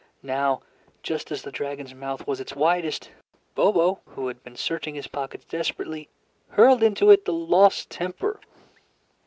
Now just as the dragon's mouth was its widest, Bobo who had been searching his pockets desperately, hurled into it the lost temper.